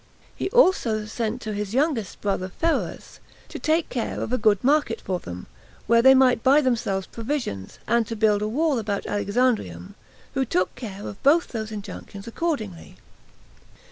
He also sent to his youngest brother Pheroas, to take care of a good market for them, where they might buy themselves provisions, and to build a wall about Alexandrium; who took care of both those injunctions accordingly.